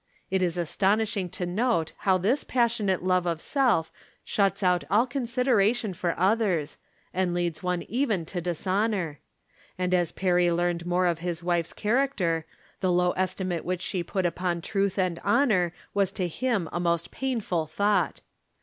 It is astonish ing to note how this passionate love of self shuts out all consideration for others, and leads one even to dishonor. And as Perry learned more of his wife's character, the low estimate which she From Different Standpoints. 301 put upon trutli and honor was to him a most painful thought.